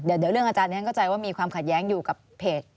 เดี๋ยวเรื่องอาจารย์ฉันเข้าใจว่ามีความขัดแย้งอยู่กับเพจ